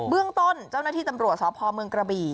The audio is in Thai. อ๋อเบื้องต้นเจ้าหน้าที่ตำรวจสอบภอมเมืองกระบี่